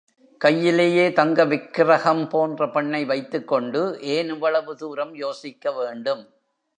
கையிலேயே தங்க விக்ரகம் போன்ற பெண்ணை வைத்துக்கொண்டு ஏன் இவ்வளவு தூரம் யோசிக்கவேண்டும்?